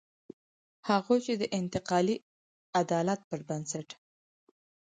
هغوی چې د انتقالي عدالت پر بنسټ.